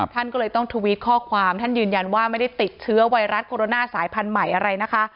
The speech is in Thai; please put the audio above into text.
ท่านก็เลยต้องทวิตข้อความท่านยืนยันว่าไม่ได้ติดเชื้อไวรัสโคโรนาสายพันธุ์ใหม่อะไรนะคะ